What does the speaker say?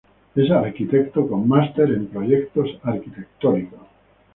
Es arquitecto con máster en proyectos arquitectónicos.